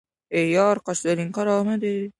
• Ikki dushman bir tom ostida yasholmaydi.